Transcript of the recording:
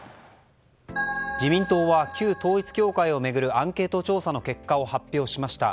自民党は旧統一教会を巡るアンケート調査の結果を発表しました。